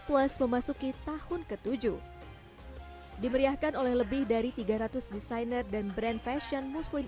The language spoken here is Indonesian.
plus memasuki tahun ke tujuh dimeriahkan oleh lebih dari tiga ratus desainer dan brand fashion muslim